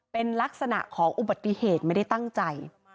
เป็นลักษณะของอุบัติเหตุไม่ได้ตั้งใจ